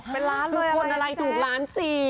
เป็นล้านเลยฝ่นอะไรถูก๑๔ล้าน